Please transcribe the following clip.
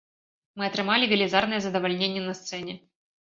Мы атрымалі велізарнае задавальненне на сцэне.